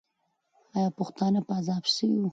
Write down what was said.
آیا پښتانه په عذاب سوي وو؟